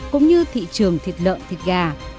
cũng như thị trường thịt lợn thịt gà